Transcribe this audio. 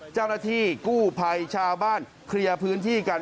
เจ้าหน้าที่กู้ภัยชาวบ้านเคลียร์พื้นที่กัน